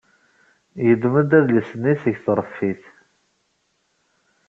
Yeddem-d adlis-nni seg tṛeffit.